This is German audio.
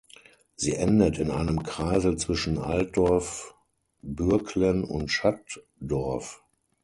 Sie endet in einem Kreisel zwischen Altdorf, Bürglen und Schattdorf.